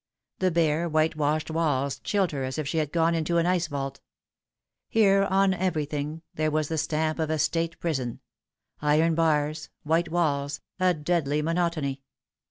The bare whitewashed walls chilled her as if she had gone into an ice vault. Here on everything there was the stamp of a State prison iron bars, white walls, a deadly monotony.